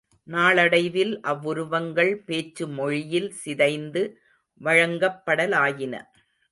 நாளடைவில் அவ்வுருவங்கள் பேச்சு மொழியில் சிதைந்து வழங்கப்படலாயின.